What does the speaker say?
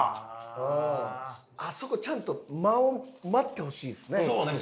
あそこちゃんと間を待ってほしいですね。